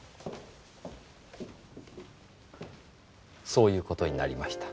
そういうことになりました。